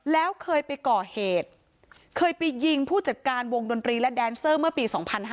แล้วเคยไปก่อเหตุเคยไปยิงผู้จัดการวงดนตรีและแดนเซอร์เมื่อปี๒๕๕๙